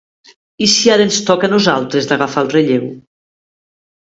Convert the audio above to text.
I si ara ens toca a nosaltres d'agafar el relleu?